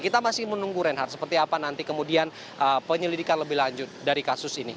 kita masih menunggu reinhard seperti apa nanti kemudian penyelidikan lebih lanjut dari kasus ini